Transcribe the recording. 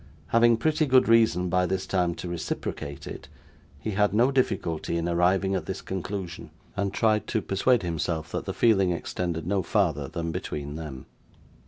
Having pretty good reason, by this time, to reciprocate it, he had no great difficulty in arriving at this conclusion, and tried to persuade himself that the feeling extended no farther than between them.